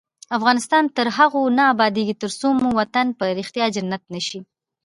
افغانستان تر هغو نه ابادیږي، ترڅو مو وطن په ریښتیا جنت نشي.